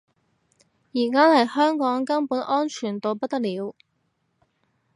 而家嚟香港根本安全到不得了